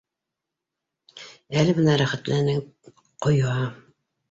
Әле бына рәхәтләнеп ҡоя